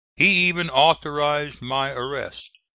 He even authorized my arrest.